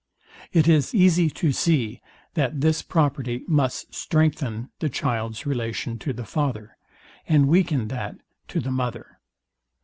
It is easy to see, that this property must strengthen the child's relation to the father, and weaken that to the mother.